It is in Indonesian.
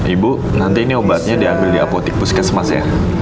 ibu nanti ini obatnya diambil di apotik puskesmas ya